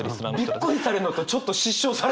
びっくりされるのとちょっと失笑されるのと。